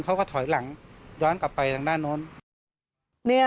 เขาก็ถอยหลังย้อนกลับไปทางด้านโน้น